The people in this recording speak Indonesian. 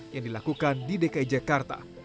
yang dilakukan di dki jakarta